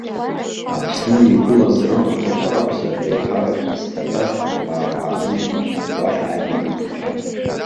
Аԥсны игылаз рырхәҭақәа ракәзар реиҳарак изҭатәаз рбаақәа ааныжьны уахь амҩа иқәлахьан.